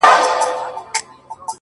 • تـلاوت دي د ښايستو شعرو كومه ـ